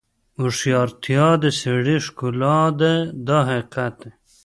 هوښیارتیا د سړي ښکلا ده دا حقیقت دی.